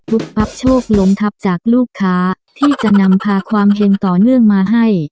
ปั๊บโชคล้มทับจากลูกค้าที่จะนำพาความเห็นต่อเนื่องมาให้